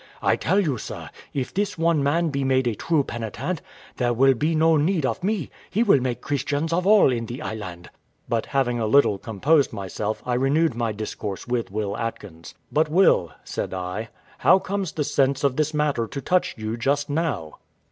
I tell you, sir, if this one man be made a true penitent, there will be no need of me; he will make Christians of all in the island." But having a little composed myself, I renewed my discourse with Will Atkins. "But, Will," said I, "how comes the sense of this matter to touch you just now?"